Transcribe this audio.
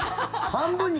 半分に。